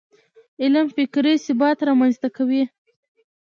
علم فکري ثبات رامنځته کوي.